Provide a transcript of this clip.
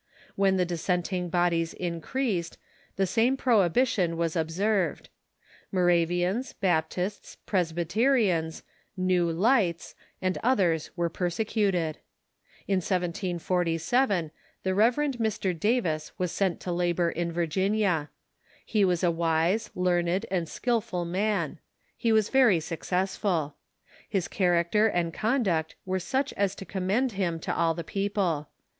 When the dissenting bodies increased, the same prohibition Avas ob serA'ed. Moravians, Baptists, Presbj^terians, "Ncav Lights," and others Avere persecuted. In 1747 the Rev. Mr. Davis was sent to labor in Virginia. He Avas a wise, learned, and skilful man. He Avas very successful. His character and conduct Avere such as to commend him to all the people.